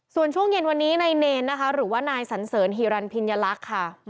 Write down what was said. ส่วนช่วงเย็นวันนี้นายเนทหรือน้ายสันเสิรฮีรันท์พิญญาลักษณ์ครับ